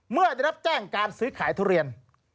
เมื่อได้รับแจ้งการซื้อขายทุเรียน